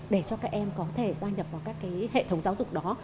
để cho các em có thể gia nhập vào các cái hệ thống giáo dục đó